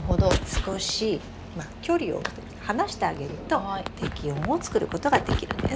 少しまあ距離をおくというか離してあげると適温をつくることができるんです。